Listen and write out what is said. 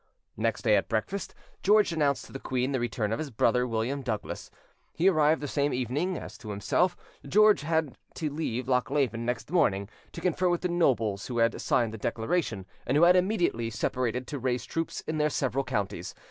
Next day, at breakfast, George announced to the queen the return of his brother, William Douglas: he arrived the same evening; as to himself, George, he had to leave Lochleven next morning, to confer with the nobles who had signed the declaration, and who had immediately separated to raise troops in their several counties.